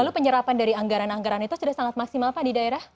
lalu penyerapan dari anggaran anggaran itu sudah sangat maksimal pak di daerah